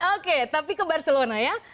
oke tapi ke barcelona ya